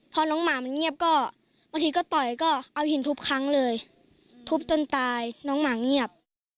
พอน้องหมามันเงียบก็บางทีก็ต่อยก็เอาหินทุบครั้งเลยทุบจนตายน้องหมาเงียบ